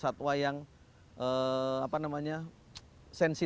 ni ya tu arif erni selalu memilih p template dengan awal virasi